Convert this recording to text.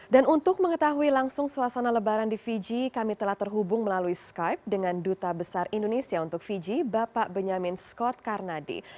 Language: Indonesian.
dan untuk mengetahui langsung suasana lebaran di fiji kami telah terhubung melalui skype dengan duta besar indonesia untuk fiji bapak benyamin scott karnadi